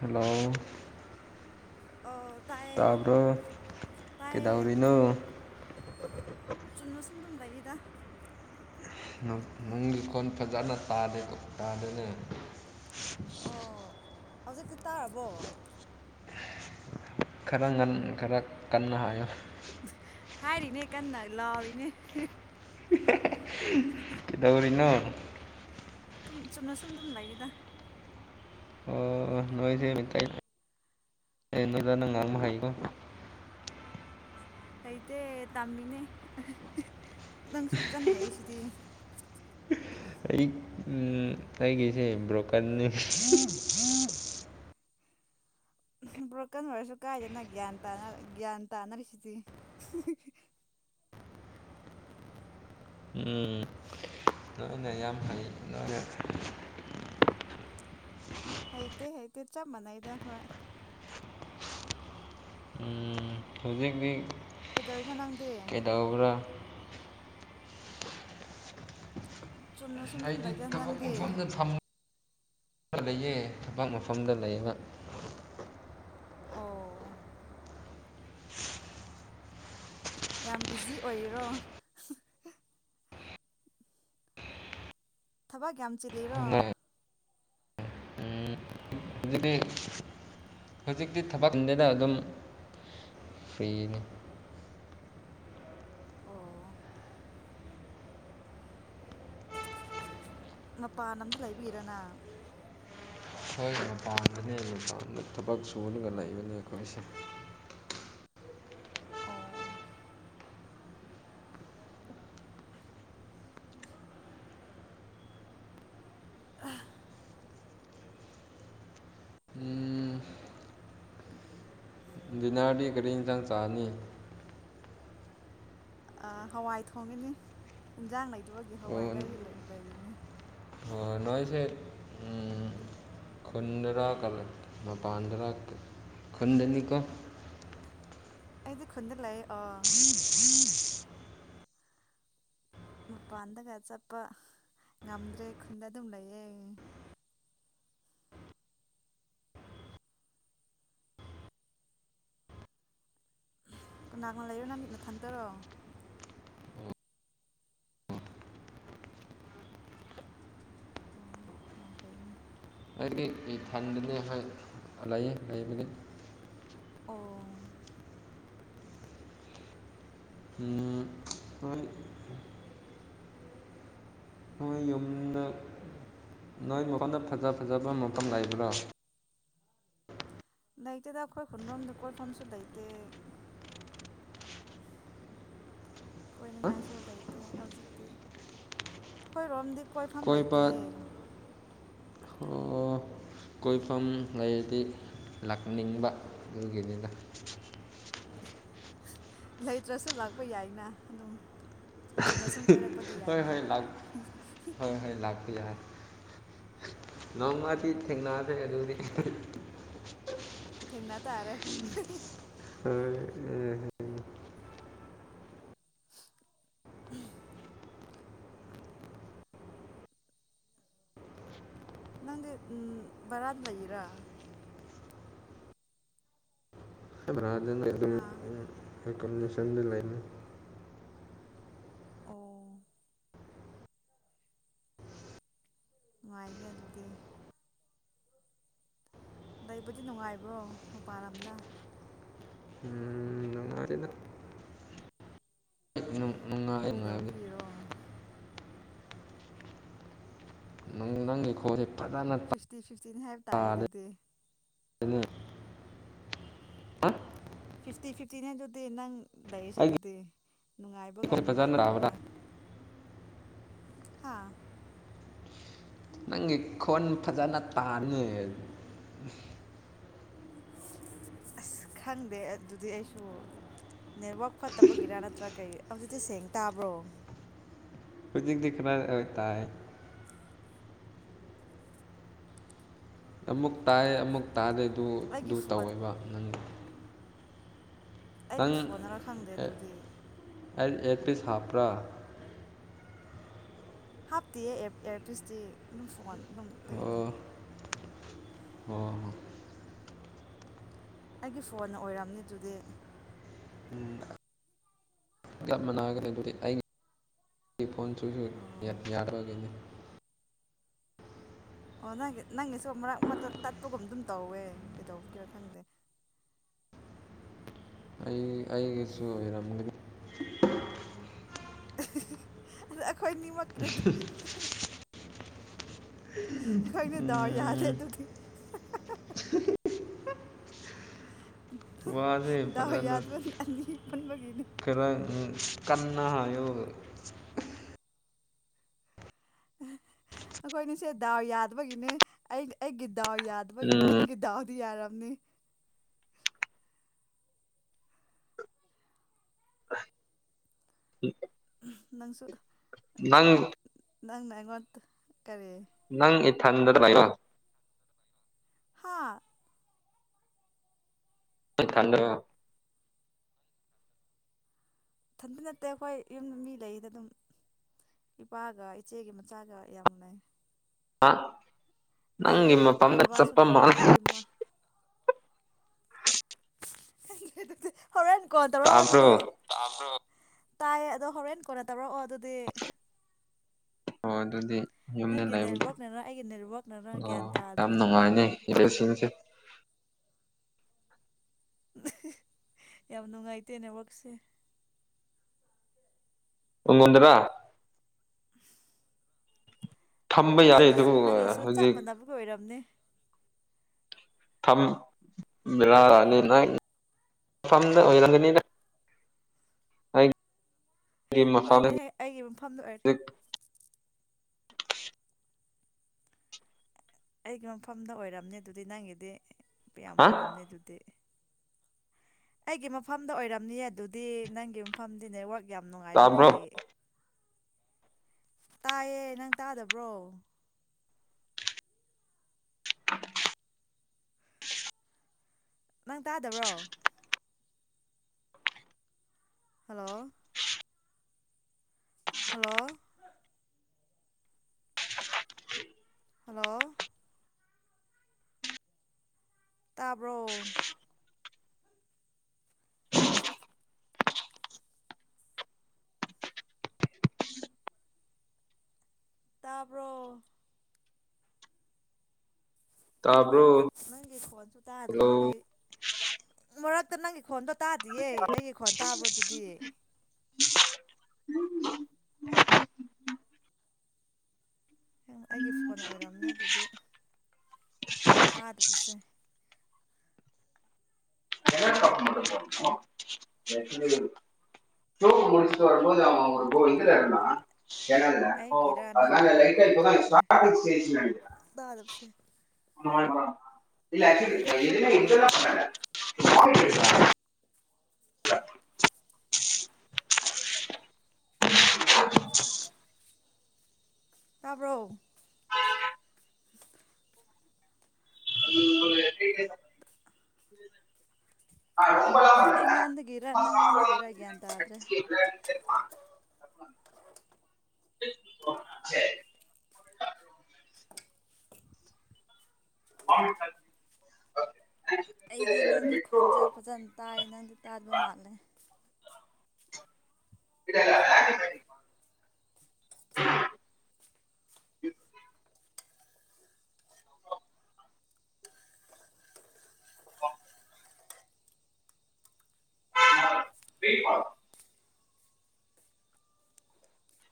hello ꯑꯧ ꯇꯥꯏꯌꯦ ꯇꯥꯕ꯭ꯔꯣ ꯇꯥꯏꯌꯦ ꯀꯩꯗꯧꯔꯤꯅꯣ ꯇꯨꯝ ꯇꯨꯝ ꯂꯩꯗ ꯅꯪ ꯅꯨꯡꯒꯤꯀꯣꯟ ꯐꯖꯅ ꯇꯥꯗꯦ ꯇꯥꯗꯦꯅꯦ ꯑꯣ ꯍꯧꯖꯤꯛꯇꯤ ꯇꯥꯔꯕꯣ ꯈꯔ ꯉꯟ ꯈꯔ ꯀꯟꯅ ꯍꯥꯏꯌꯣ [unintelligible] ꯍꯥꯏꯔꯤꯅꯦ ꯀꯟꯅ ꯂꯥꯎꯔꯤꯅꯦ [unintelligible] ꯀꯩꯗꯧꯔꯤꯅꯣ ꯇꯨꯝ ꯆꯨꯝꯅ ꯁꯨꯝ ꯗꯨꯝ ꯂꯩꯌꯦꯗ ꯑꯣ ꯑꫭ ꯅꯣꯏꯁꯦ ꯃꯇ [unintelligible] ꯉꯥꯡꯕ ꯍꯥꯏꯀꯣ ꯍꯩꯇꯦ ꯇꯃꯤꯅꯦ [unintelligible] ꯅꯪꯁꯨ ꯐꯖꯅ ꯍꯩꯁꯤꯗꯤ ꯑꯩ ꯎꯝ ꯑꯩꯒꯤꯁꯦ ꯕ꯭ꯔꯣꯀꯟꯅꯤ ꯕ꯭ꯔꫭꯀꯟ ꯑꯣꯏꯔꯁꯨ ꯀꯥꯏꯗꯦꯅ ꯒ꯭ꯌꯥꯟ ꯇꯥꯅꯔ ꯒ꯭ꯌꯥꯟ ꯇꯥꯅꯔꯤꯁꯤꯗꯤ ꯎꯝ ꯅꯣꯏꯅ ꯌꯥꯝ ꯍꯩ ꯅꯣꯏꯅ ꯍꯩꯇꯦ ꯍꯩꯇꯦ ꯆꯥꯞ ꯃꯅꯩꯗ ꯑꯈꫭꯏ ꯎꯝ ꯀꯩꯗꯧꯔꯤꯅꫭ ꯅꯪꯗꯤ ꯀꯩꯗꯧꯕꯔꯥ ꯆꯨꯝꯅꯣ ꯁꯨꯝ ꯆꯨꯝ ꯂꯩꯗ ꯅꯪ ꯁꫭꯝꯗ ꯊꯝꯃꯨ ꯊꯕꯛ ꯃꯐꯝꯗ ꯂꯩꯕ ꯑꯣ ꯌꯥꯝ ꯕꯤꯖꯤ ꯑꯣꯏꯔꯤꯔꫭ ꯊꯕꯛ ꯌꯥꯝ ꯆꯤꯜꯂꯤꯔꯣ ꯎꯝ ꯑꯣ ꯍꯧꯖꯤꯛꯇꯤ ꯍꯧꯖꯤꯛꯇꯤ ꯊꯕꯛ ꯆꯤꯟꯗꯦꯗ ꯑꯗꯨꯝ ꯐ꯭ꯔꯤꯅꯤ ꯑꯣ ꯃꯄꯥꯟ ꯂꯝꯗ ꯂꯩꯕꯒꯤꯔꯅ ꯍꯣꯏ ꯃꯄꯥꯟꯗꯅꯦ ꯊꯕꯛ ꯊꯕꯛ ꯁꯨꯨꯔꯒ ꯂꯩꯕꯅꯦ ꯑꯩꯈꯣꯏꯁꯦ ꯑꯣ ꯎꯝ ꯗꯤꯅꯔꯗꯤ ꯀꯔꯤ ꯏꯟꯖꯥꯡ ꯆꯥꯅꯤ ꯑ ꯍꯋꯥꯏ ꯊꯣꯡꯉꯅꯤ ꯏꯟꯖꯥꯡ ꯂꯩꯇꯕꯒꯤ ꯍꯋꯥꯏ ꯂꯩꯔꯂꯩ ꯂꯩꯔꯤꯅꯤ ꯑꯣ ꯅꯣꯏꯁꯦ ꯎꯝ ꯈꯨꯟꯗꯔ ꯀꯂꯞ ꯃꯄꯥꯟꯗ꯭ꯔꯥ ꯈꯨꯨꯟꯗꯅꯤꯀꫭ ꯑꯩꯗꯤ ꯈꯨꯟꯗ ꯂꯩꯌꯦ ꯑꫭ ꯃꯄꯥꯟꯗꯒ ꯆꯠꯄ ꯉꯝꯗ꯭ꯔꯦ ꯈꯨꯟꯗ ꯑꯗꯨꯝ ꯂꯩꯌꯦ ꯀꯅꯥꯒ ꯂꯩꯔꯤꯅꫭ ꯅꯪ ꯅꯊꯟꯇꯔꯣ ꯑꯣ ꯌꯥꯝ ꯐꯩꯅꯦ ꯑꯩꯗꯤ ꯏꯊꯟꯗꯅꯤ ꯍꯣꯏ ꯂꯩꯌꯦ ꯂꯩꯕꯗꯤ ꯑꯣ ꯎꯝ ꯍꯣꯏ ꯅꯣꯏ ꯌꯨꯝꯗ ꯅꯣꯏ ꯃꯄꯥꯟꯗ ꯐꯖ ꯐꯖꯕ ꯃꯐꯝ ꯂꯩꯕ꯭ꯔꯣ ꯂꯩꯇꯦꯗ ꯑꯩꯈꯣꯏ ꯈꯨꯟꯔꯣꯝꯗ ꯀꯣꯏꯐꯝꯁꯨ ꯂꯩꯇꯦ ꯀꯣꯏꯅꯤꯡꯉꯥꯏꯁꯨ ꯂꯩꯇꯦ ꯍꯧꯖꯤꯛꯇꯤ ꯑꯩꯈꯣꯏ ꯔꯣꯝꯗꯤ ꯀꯣꯏꯐꯝ ꯀꯣꯏꯕ ꯂꯩꯇꯤꯌꯦ ꯀꯣꯏꯐꯝ ꯂꯩꯔꯗꯤ ꯂꯥꯛꯅꯤꯡꯕ ꯑꯗꯨꯒꯤꯅꯤꯗ ꯂꯩꯇ꯭ꯔꯁꯨ ꯂꯥꯛꯄ ꯌꯥꯏꯅ ꯑꯗꯨꯝ ꯆꯨꯝ ꯆꯨꯝꯅ ꯁꯨꯝ ꯀꯣꯏꯔꯛꯄꯗꯤ ꯍꯣꯏ ꯌꯥꯏꯅ ꯍꯣꯏ ꯍꯣꯏ ꯍꯣꯏ ꯂꯥꯛꯄ ꯌꯥꯏ ꯉꯣꯡꯃꯗꯤ ꯊꯦꯡꯅꯗ ꯑꯗꯨ ꯑꯗꯨꯗꯤ ꯊꯦꯡꯅ ꯇꯥꯔꯦ ꯎ ꯎ ꯎ ꯅꯪꯦ ꯎꯝ ꯔꯗ ꯂꯩ ꯏꯔꯥ ꯍꯥꯥ ꯑꯦꯀꯣꯃꯣꯅꯦꯦꯁꯟꯗꯤ ꯂꯩꯅ ꯑꯣ ꯃꯅꯨꯡꯥꯏꯅ ꯑꯗꯨꯗꯤ ꯂꯩꯕꯗꯤ ꯅꯨꯡꯉꯥꯏꯕ꯭ꯔꯣ ꯃꯄꯥꯟ ꯂꯝꯗ ꯅꯨꯡꯉꯥꯏꯇꯦꯗ ꯅꯨꯡꯉꯥꯏ ꯅꯨꯡꯉꯥꯏꯕꯅꯤ ꯀꯩꯧꯗꯕꯒꯤꯔꫭ ꯅꯪ ꯅꯪꯒꯤ ꯈꯣꯟꯁꯦ ꯐꯖꯅ ꯐꯤꯐꯇꯤ ꯐꯤꯐꯇꯤꯅꯤ ꯍꯥꯏꯕ ꯇꯥꯔꯦ ꯇꯥꯗꯦꯅꯦ ꯑꯗꯨꯗꯤ ꯐꯤꯐꯇꯤ ꯐꯤꯐꯇꯤꯅꯦ ꯑꯗꯨꯗꯤ ꯅꯪ ꯂꯩꯔꯤꯁꯦ ꯑꯗꯨꯗꯤ ꯅꯨꯡꯉꯥꯏ ꯑꯩꯈꯣꯏ ꯐꯖꯅ ꯇꯥꯕꯗ ꯍꯥꯥ ꯅꯪꯒꯤ ꯈꯣꯟ ꯐꯖꯅ ꯇꯥꯅꯤ [inaudible] ꯑꯁ [unintelligible] ꯈꯪꯗꯦ ꯑꯗꯨꯗꯤ ꯑꯩꯁꯨ ꯅꯦꯠꯋꯥꯛ ꯐꯠꯇꯕꯒꯤꯔꯥ ꯅꯠꯇ꯭ꯔ ꯀꯩ ꯍꯧꯖꯤꯛꯇꯤ ꯁꯦꯡ ꯇꯥꯕ꯭ꯔꯣ ꯍꯧꯖꯤꯛꯇꯤ ꯈꯔ ꯑ ꯇꯥꯏ ꯑꯃꯨꯛ ꯇꯥꯏ ꯑꯃꯨꯛ ꯇꯥꯗ ꯑꯗꯨ ꯑꯩꯒꯤ ꯑꯗꯨ ꯐꯣꯟ ꯇꯧꯋꯦꯕ ꯅꯪ ꯅꯪ ꯑꯩꯒꯤ ꯐꯣꯟ ꯈꯔ ꯈꯪꯗꯦ ꯑꯗꯨꯗꯤ ꯑꯦꯜ ꯑꯦ ꯄꯤꯁ ꯍꯥꯞꯄ꯭ꯔꯥ ꯍꯥꯞꯇꯤꯌꯦ ꯑꯦꯌꯥꯔꯄꯤꯁꯇꯤ ꯑꯗꯨꯝ ꯐꯣꯟ ꯑꯗꯨꯝꯗꯒꯤꯅꯦ ꯑꯣ ꯑꯣ ꯑꯩꯒꯤ ꯐꯣꯟꯅ ꯑꯣꯏꯔꯝꯅꯤ ꯑꯗꯨꯗꯤ ꯎꯝ ꯂꯒꯞ ꯃꯅꯥꯒ ꯂꯩꯗꯨꯗꯤ ꯑꯩ ꯐꯣꯟ ꯆꯨꯁꯨ ꯑꯣ ꯌꯥꯔꯔꯕꯒꯤꯅꯤ ꯑꯣ ꯅꯪꯒꯤ ꯅꯪꯒꯤꯁꯨ ꯃꯔꯛ ꯃꯔꯛꯇ ꯇꯠꯄꯒꯨꯝ ꯑꯗꯨꯝ ꯇꯧꯋꯦ ꯀꯩꯗꯧꯕꯒꯤꯔ ꯈꯪꯗꯦ [unintelligible] ꯑꯩ ꯑꯩꯒꯤꯁꯨ ꯑꯣꯏꯔꯝꯒꯅꯤ ꯑꯗ ꯑꯩꯈꯣꯏ ꯅꯤꯃꯛꯅꯦꯗ ꯀꯣꯏꯅ ꯗꯔ ꯌꯥꯗ ꯇ ꯋꯥꯁꯦ ꯗꯥꯎ ꯄꯇꯥ ꯅ ꯌꯥꯗꯕ ꯑꯅꯤ ꯄꯨꯟꯕꯒꯤꯅꯤ ꯀꯥꯡ ꯎ ꯀꯟꯅ ꯌ ꯑꯩꯈꯣꯏꯅꯤꯁꯦ ꯗꯥꯎ ꯌꯥꯗꯕꯒꯤꯅꯦ ꯑꯩ ꯑꯩꯒꯤ ꯗꯥꯎ ꯌꯥꯗꯕꯒꯤꯅꯤ ꯎꯝ ꯅꯪꯒꯤ ꯗꯥꯎꯗꯤ ꯌꯥꯔꯝꯅꯤ ꯎꯝ ꯅꯪꯁꯨ ꯅꯪ ꯅꯪ ꯑꯩꯉꯣꯟ ꯀꯔꯤ ꯊꯗ ꯍꯥ ꯊꯗ ꯊꯟꯗꯤ ꯅꯠꯇꯦ ꯑꯩꯈꯣꯏ ꯌꯨꯝꯗ ꯃꯤ ꯂꯩꯗ ꯑꯗꯨꯝ ꯏꯄꯥꯒ ꯏꯆꯦꯒꯤ ꯃꯆꯥꯒ ꯌꯥꯝꯅ ꯍꯥ ꯂꯩꯑ ꯑꯩꯈꯣꯏ ꯕꯕꯥꯁꯨ ꯂꯩꯑ ꯑꯩꯈꯣꯏ ꯏꯃꯥ ꯑꯗꯨꯗꯤ ꯍꯣꯔꯦꯟ ꯀꯣꯟ ꯇꯧꯔ ꯇꯥꯕ꯭ꯔꯣ ꯑꯗꯨꯗꯤ ꯇꯥꯏ ꯑꯗꯣ ꯍꯣꯔꯦꯟ ꯀꯣꯟꯅ ꯇꯧꯔꯛꯑꯣ ꯑꯗꯨꯗꯤ ꯍꯣꯏ ꯑꯗꯨꯗꯤ ꯌꯨꯝꯗ ꯅꯪꯒꯤ ꯂꯩꯕꯗꯤ ꯅꯦꯠꯋꯥꯛꯅꯔ ꯑꯩꯒꯤ ꯅꯦꯠꯋꯥꯛꯅꯔ ꯑꯣ ꯒ꯭ꯌꯥꯟ ꯌꯥꯝ ꯇꯥꯗ꯭ꯔꯦ ꯅꯨꯡꯉꯥꯏꯅꯤ ꯂꯣꯏꯁꯤꯟꯁꯤ ꯌꯥꯝ ꯅꯨꯡꯉꯥꯏꯇꯦ ꯅꯋꯛꯁꯦ ꯎꯣꯗꯔ ꯊꯝꯕ ꯌꯥꯔꯦ ꯑꯗꯨꯕꯨ ꯑꯩꯒꯤꯁꯨ ꯅꯪꯒꯤꯁꯨ ꯆꯞ ꯍꯧꯖꯤꯛ ꯃꯥꯟꯅꯕ ꯑꯣꯏꯔꯝꯅꯤ ꯐꯝ ꯐꯝ ꯑꯣꯏꯔꯅꯤ ꯑ ꯍꯣꯏꯅꯦ ꯑꯩꯒꯤ ꯃꯐꯝꯗ ꯑꯣꯏꯔꯦ ꯑꯩꯒꯤ ꯃꯐꯝꯗ ꯑꯣꯏꯔꯝꯅꯦ ꯑꯗꯨꯗꯤ ꯅꯪꯒꯤꯗꯤ ꯌꯥꯝ ꯌꯥꯝ ꯍꯥ ꯐꯔꯝꯅꯤ ꯑꯗꯨꯗꯤ ꯑꯩꯒꯤ ꯃꯐꯝꯗ ꯑꯣꯏꯔꯝꯅꯤ ꯑꯗꯨꯗꯤ ꯅꯪꯒꯤ ꯃꯐꯝꯗꯤꯅꯦꯋ ꯌꯥꯝ ꯇꯥꯕ꯭ꯔꯣ ꯅꯨꯡꯉꯥꯏꯕꯒꯤ ꯇꯥꯏꯌꯦ ꯅꯪ ꯇꯥꯗꯕ꯭ꯔꯣ ꯅꯪ ꯇꯥꯗꯕ꯭ꯔꯣ ꯍꯜꯂꯣ ꯍꯜꯂꯣ ꯍꯜꯂꯣ ꯇꯥꯕ꯭ꯔꯣ ꯇꯥꯔꯕꯣ ꯇꯥꯕ꯭ꯔꯣ ꯅꯪꯒꯤ ꯈꯣꯟ ꯇꯗ꯭ꯔꯦ ꯍꯜꯂꯣ ꯑꯩ ꯃꯔꯛꯇ ꯅꯪꯒꯤ ꯈꯣꯟꯗꯣ ꯇꯥꯗꯤꯌꯦ ꯑꯩꯒꯤ ꯈꯣꯟ ꯇꯥꯕ꯭ꯔꯣ ꯑꯗꯨꯗꯤ ꯑꯩꯒꯤ ꯐꯣꯟ ꯑꯣꯏꯔꯝꯅꯦ ꯑꯗꯨꯗꯤ ꯇꯥꯗ ꯄꯨꯁꯦ ꯇꯣꯄ ꯃꯅꯤꯁꯤ ꯋꯥꯔꯕꯗꯤ ꯣꯗꯔꯔꯃ ꯆꯗ ꯑꯩꯒꯤꯔ ꯅꯪꯒꯤꯔ ꯒ꯭ꯌꯥꯟ ꯍ ꯁꯕꯁꯦ ꯃꯥ ꯏꯟ [inaudible] ꯇꯥꯕ꯭ꯔꯣ [inaudible] ꯑ ꯏꯪꯣꯟꯟꯒꯔ ꯅꯪꯣꯟꯟꯒꯔꯒꯦꯇ ꯍꯥꯏ꯭ꯔꯦ ꯑꯩꯗꯤ ꯅꯪꯒꯤ ꯈꯣꯟꯁꯦ ꯐꯖꯅ ꯇꯥꯏ ꯅꯪꯗꯤ ꯇꯥꯗꯕ ꯃꯥꯜꯂꯦ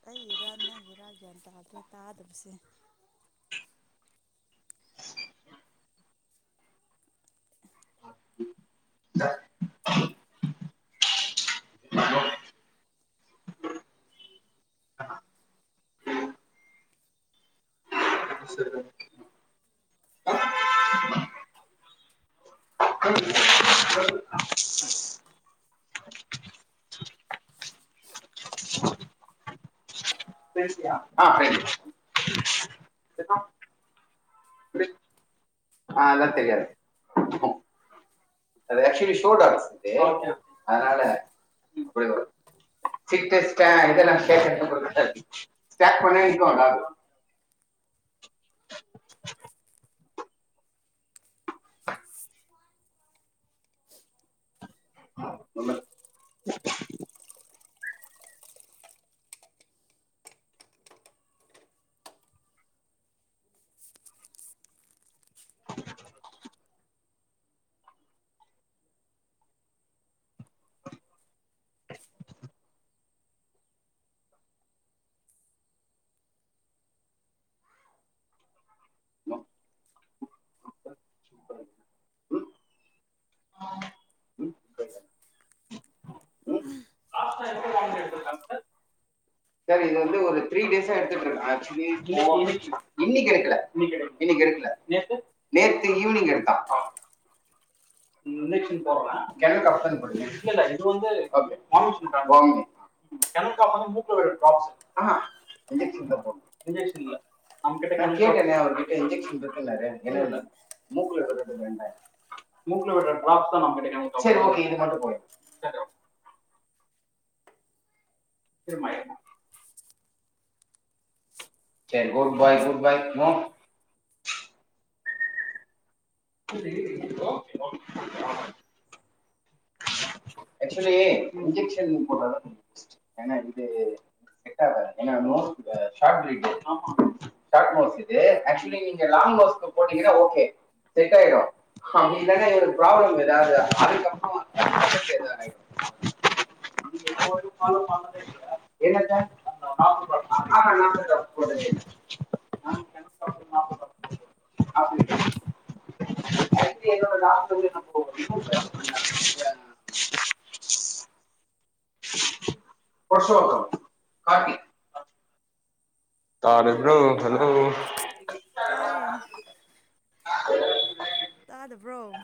ꯑꯩ ꯏꯔꯥ ꯅꯪꯒꯤ ꯏꯔꯥ ꯒ꯭ꯌꯥꯟ ꯇꯥꯗ꯭ꯔꯦ ꯇꯥꯗꯕꯁꯦ ꯐꯁꯤ ꯐꯦ ꯑ ꯂ ꯇꯔꯤꯔꯦ ꯑꯗ ꯑꯆꯨꯋꯂꯤ ꯁꯣꯔꯠꯁꯦ ꯑꯗꯨꯅꯔ [inaudible] [inaudible] [inaudible] ꯍ ꯎꯝ ꯎ ꯎꯝ [inaudible] ꯔ ꯊꯔꯤꯁ ꯛꯂ ꯅꯦ ꯏꯚꯅꯤꯡ ꯔ ꯀ ꯀ ꯀꯩꯅꯛ ꯏꯟ ꯏꯟꯁꯟ ꯏ ꯑꯃ ꯀ ꯅ ꯀꯦꯇꯦꯅꯦꯔ ꯀ ꯏꯟꯖꯦꯛꯁꯟꯔꯇꯦꯅ ꯃꯨꯛꯂꯔ ꯃ ꯀꯣꯔ ꯀ ꯐꯔꯃ ꯨ [inaudible] [inaudible] ꯑꯦꯆ ꯏꯟꯖꯦꯛꯁꯟ ꯏ [unintelligible] ꯑꯣꯀꯦ ꯁꯦꯠꯣ ꯄ꯭ꯔꯣꯕ꯭ꯂꯂꯦꯝ ꯑꯦ [unintelligible] [inaudible] [inaudible] ꯂꯔ [inaudible] [inaudible] ꯄꯁꯊꯝ ꯀꯥꯀꯤ ꯇꯥꯔꯦ꯭ꯔꯣ ꯇꯔꯌꯦꯦ ꯍ ꯇꯥꯗꯕ꯭ꯔꯣ